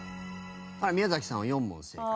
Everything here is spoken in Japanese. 宮崎さんは４問正解。